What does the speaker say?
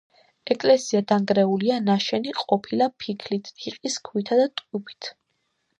ეკლესია დანგრეულია, ნაშენი ყოფილა ფიქლით, რიყის ქვითა და ტუფით.